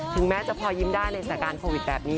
แม้จะพอยิ้มได้ในสถานการณ์โควิดแบบนี้